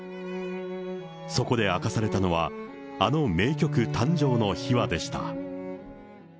そこで明かされたのは、あの名曲誕生の秘話でした。